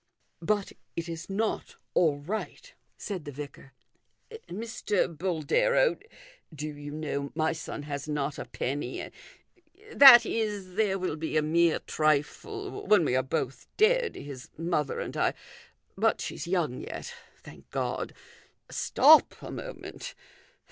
" But it is not all right," said the vicar. " Mr. Boldero, do you know my son has not a penny ? that is, there will be a mere trifle when we are both dead, his mother and I ; but she's young yet, thank Grod. Stop a moment